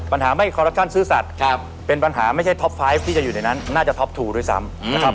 ปัญหาไม่คอรัปชั่นซื่อสัตว์เป็นปัญหาไม่ใช่ท็อปไฟต์ที่จะอยู่ในนั้นน่าจะท็อปทูด้วยซ้ำนะครับ